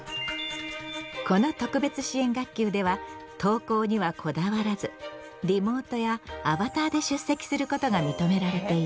この特別支援学級では登校にはこだわらずリモートやアバターで出席することが認められている。